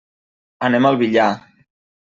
Anem al Villar.